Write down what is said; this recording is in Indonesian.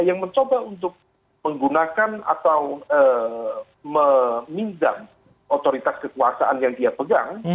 yang mencoba untuk menggunakan atau meminjam otoritas kekuasaan yang dia pegang